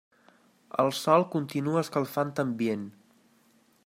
El sol continua escalfant ambient.